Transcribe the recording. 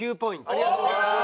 ありがとうございます。